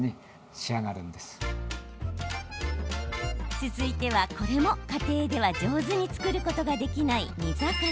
続いては、これも家庭では上手に作ることができない煮魚。